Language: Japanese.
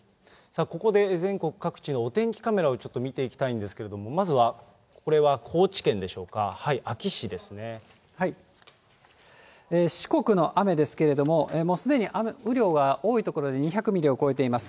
ここで全国各地のお天気カメラをちょっと見ていきたいんですけれども、まずはこれは、高知県でしょうか、四国の雨ですけれども、もうすでに雨量が多い所で、２００ミリを超えています。